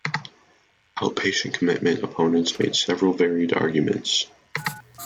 Outpatient commitment opponents make several varied arguments.